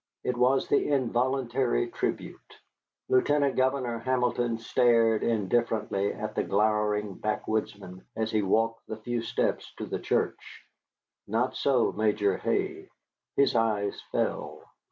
It was the involuntary tribute. Lieutenant Governor Hamilton stared indifferently at the glowering backwoodsmen as he walked the few steps to the church. Not so Major Hay. His eyes fell.